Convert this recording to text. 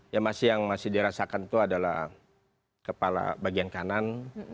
yang masih dirasakan itu adalah kepala bagian kanan